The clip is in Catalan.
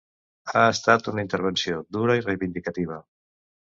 Ha estat una intervenció dura i reivindicativa.